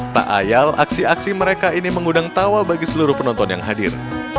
tak ayal aksi aksi mereka ini mengundang tawa bagi seluruh penonton yang hadir